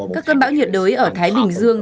các cơn bão nhiệt đới ở thái bình dương